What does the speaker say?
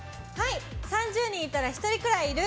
３０人いたら１人くらいいる。